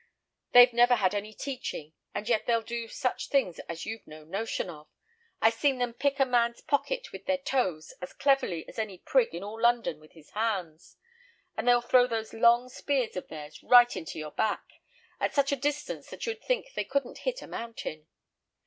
They've never had any teaching, and yet they'll do such things as you've no notion of. I've seen them pick a man's pocket with their toes as cleverly as any prig in all London with his hands; and they'll throw those long spears of theirs right into your back, at such a distance that you'd think they couldn't hit a mountain.